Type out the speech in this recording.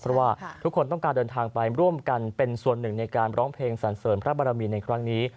เพราะว่าทุกคนต้องการเดินทางไปร่วมกันเป็นส่วนหนึ่งในการร้องเพลงสันเสริญพระบรมีในครั้งนี้